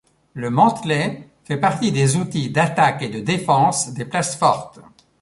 Le mantelet fait partie des outils d'attaque et de défense des places fortes.